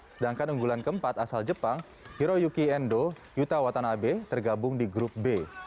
sedangkan unggulan keempat asal jepang hiro yuki endo yuta watanabe tergabung di grup b